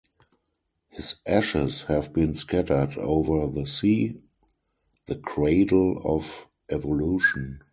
His ashes have been scattered over the sea, the cradle of evolution.